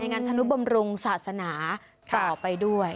งานธนุบำรุงศาสนาต่อไปด้วย